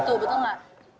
betul betul nggak